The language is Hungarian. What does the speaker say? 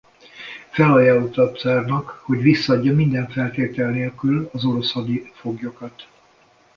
Felajánlotta a cárnak hogy visszaadja minden feltétel nélkül az orosz hadifoglyokat.